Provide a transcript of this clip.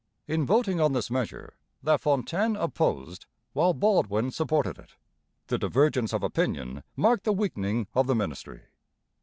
In voting on this measure LaFontaine opposed, while Baldwin supported it. The divergence of opinion marked the weakening of the ministry.